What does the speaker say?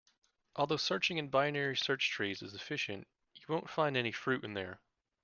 Although searching in binary search trees is efficient, you won't find any fruit in there.